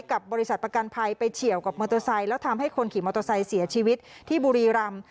กับบริษัทประกันภัยไปเฉียวกับมอเตอร์ไซค์แล้วทำให้คนขี่มอเตอร์ไซค์เสียชีวิตที่บุรีรำ